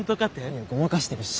いやごまかしてるし。